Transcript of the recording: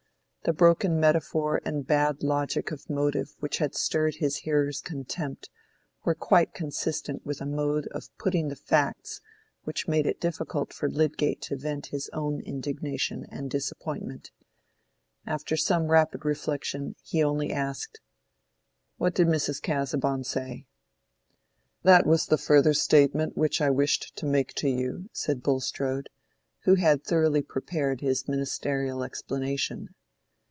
The broken metaphor and bad logic of motive which had stirred his hearer's contempt were quite consistent with a mode of putting the facts which made it difficult for Lydgate to vent his own indignation and disappointment. After some rapid reflection, he only asked— "What did Mrs. Casaubon say?" "That was the further statement which I wished to make to you," said Bulstrode, who had thoroughly prepared his ministerial explanation.